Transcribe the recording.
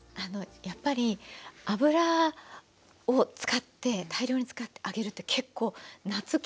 やっぱり油を使って大量に使って揚げるって結構夏きついじゃないですか。